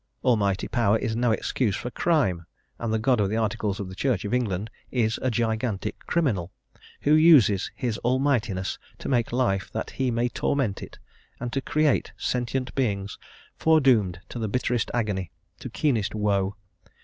Almighty power is no excuse for crime, and the God of the Articles of the Church of England is a gigantic criminal, who uses his Almightiness to make life that he may torment it, and to create sentient beings foredoomed to bitterest agony, to keenest woe.